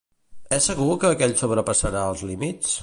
És segur que aquell sobrepassarà els límits?